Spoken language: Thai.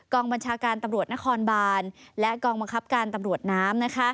บัญชาการตำรวจนครบานและกองบังคับการตำรวจน้ำ